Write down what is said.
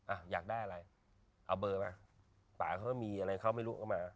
อ่ะอยากได้อะไรเอาเบอร์มาป่าเขาก็มีอะไรเขาไม่รู้ก็มา